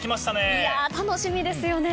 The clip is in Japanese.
楽しみですよね。